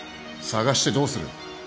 捜してどうする